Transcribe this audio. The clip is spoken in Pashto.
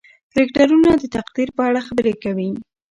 کرکټرونه د تقدیر په اړه خبرې کوي.